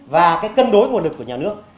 và cái cân đối nguồn lực của nhà nước